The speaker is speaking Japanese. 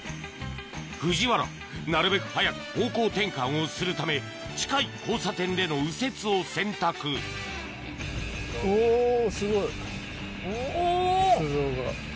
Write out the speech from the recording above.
藤原なるべく早く方向転換をするため近い交差点での右折を選択おすごい。お！